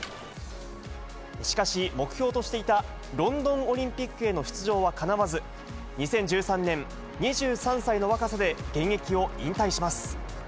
しかし、目標としていたロンドンオリンピックへの出場はかなわず、２０１３年、２３歳の若さで現役を引退します。